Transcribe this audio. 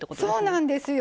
そうなんですよ